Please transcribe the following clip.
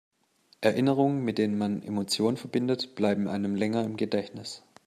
Erinnerungen, mit denen man Emotionen verbindet, bleiben einem länger im Gedächtnis.